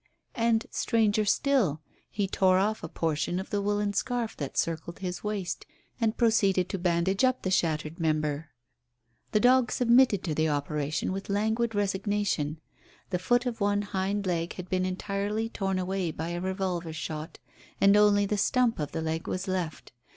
And, stranger still, he tore off a portion of the woollen scarf that circled his waist and proceeded to bandage up the shattered member. The dog submitted to the operation with languid resignation. The foot of one hind leg had been entirely torn away by a revolver shot, and only the stump of the leg was left.